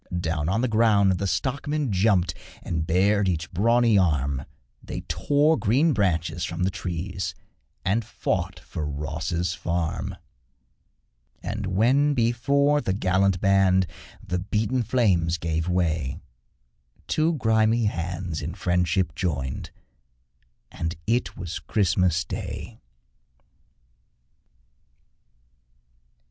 Down on the ground the stockmen jumped And bared each brawny arm, They tore green branches from the trees And fought for Ross's farm; And when before the gallant band The beaten flames gave way, Two grimy hands in friendship joined And it was Christmas Day.